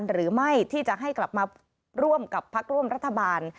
หรือไม่ที่จะให้กลับมาร่วมกับพักร่วมรัฐบาล